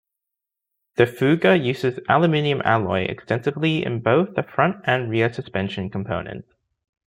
The Fuga uses aluminum alloy extensively in both the front and rear suspension components.